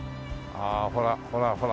ああほらほらほら。